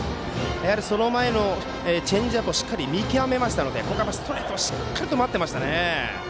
その前のチェンジアップをしっかり見極めましたのでここはストレートをしっかり待ってましたね。